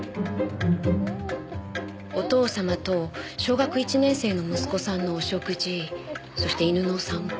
お父様と小学１年生の息子さんのお食事そして犬のお散歩。